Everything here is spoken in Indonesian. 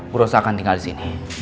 bu rosa akan tinggal di sini